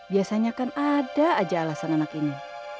biasanya kan ada aja alasan anak ini